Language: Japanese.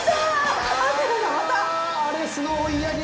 ああアレスの追い上げ